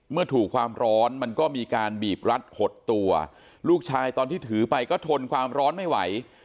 เมื่อถูกความร้อนมันก็มีการบีบรัดหดตัวลูกชายตอนที่ถือไปก็ทนความร้อนไม่ไหว